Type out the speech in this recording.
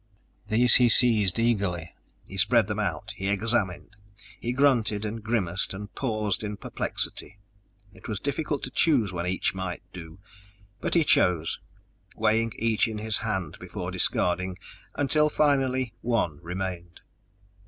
These he seized eagerly. He spread them out; he examined; he grunted and grimaced and paused in perplexity. It was difficult to choose when each might do! But he chose, weighing each in his hand before discarding, until finally one remained.